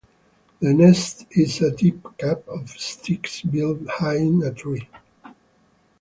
The nest is a deep cup of sticks built high in a tree.